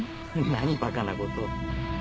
何バカなことを。